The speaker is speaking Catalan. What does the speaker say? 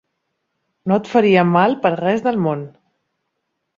No et faria mal per res del món.